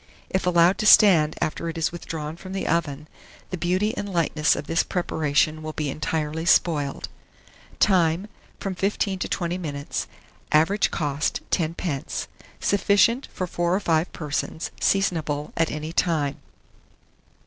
If allowed to stand after it is withdrawn from the oven, the beauty and lightness of this preparation will be entirely spoiled. Time. From 15 to 20 minutes. Average cost, 10d. Sufficient for 4 or 5 persons. Seasonable at any time.